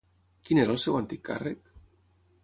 Quin era el seu antic càrrec?